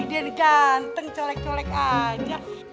eh den ganteng colek colek aja